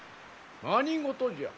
何事じゃ？